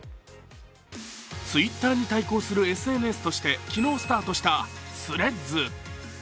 Ｔｗｉｔｔｅｒに対抗するＳＮＳとして昨日スタートしたＴｈｒｅａｄｓ。